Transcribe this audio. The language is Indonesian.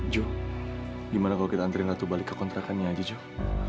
jok gimana kalau kita anterin ratu balik ke kontrakannya aja jok